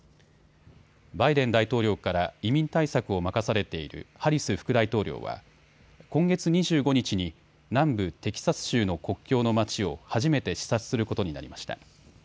バイデン大統領から移民対策を任されているハリス副大統領は今月２５日に南部テキサス州の国境の町を初めて視察することになりました。